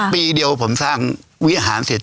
ปีเดียวผมสร้างวิหารเสร็จ